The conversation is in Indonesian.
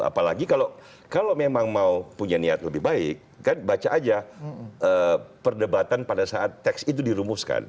apalagi kalau memang mau punya niat lebih baik kan baca aja perdebatan pada saat teks itu dirumuskan